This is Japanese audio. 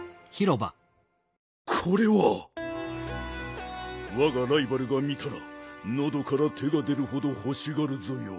これはわがライバルが見たらのどから手が出るほどほしがるぞよ。